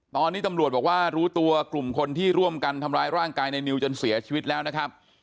ตอนนี้ตำรวจบอกว่ารู้ตัวกลุ่มคนที่ร่วมกันทำร้ายร่างกายในนิวจนเสียชีวิตแล้วนะครับ